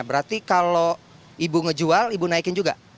berarti kalau ibu ngejual ibu naikin juga